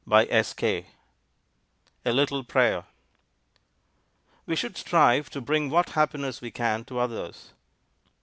_ A LITTLE PRAYER We should strive to bring what happiness we can to others.